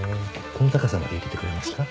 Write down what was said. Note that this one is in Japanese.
この高さまで入れてくれますか？